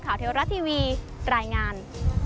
เทวรัฐทีวีรายงาน